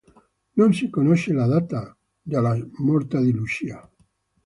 Non si conosce la data della morte di Lucia.